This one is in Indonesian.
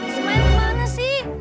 semain kemana sih